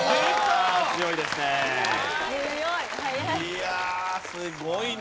いやすごいね。